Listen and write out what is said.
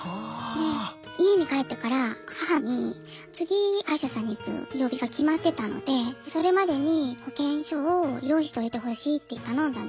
で家に帰ってから母に次歯医者さんに行く曜日が決まってたのでそれまでに保険証を用意しておいてほしいって頼んだんです。